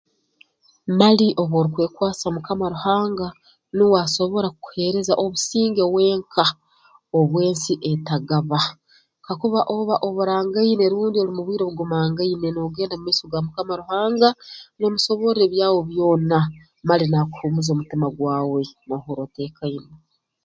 Mali obu orukwekwasa Mukama Ruhanga nuwe asobora kukuheereza obusinge wenka obu ensi etagaba kakuba oba oburangaine rundi oli mu bwire obugumangaine noogenda mu maiso ga Mukama Ruhanga noomusoborra ebyawe byona mali naakuhuumuza omutima gwawe noohurra oteekaine